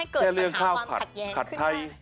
แค่เรื่องข้าวผัดผัดไทย